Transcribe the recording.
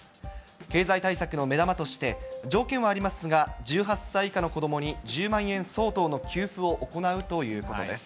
経済対策の目玉として、条件はありますが、１８歳以下の子どもに１０万円相当の給付を行うということです。